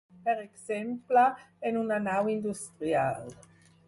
Per exemple, en una nau industrial.